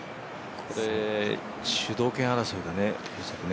これ主導権争いだね。